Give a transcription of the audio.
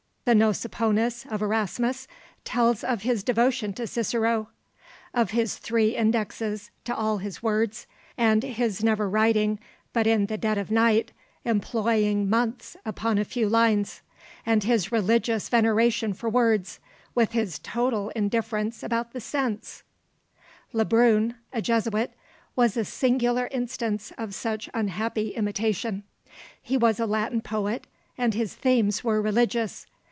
The Nosoponus of Erasmus tells of his devotion to Cicero; of his three indexes to all his words, and his never writing but in the dead of night, employing months upon a few lines; and his religious veneration for words, with his total indifference about the sense. Le Brun, a Jesuit, was a singular instance of such unhappy imitation. He was a Latin poet, and his themes were religious.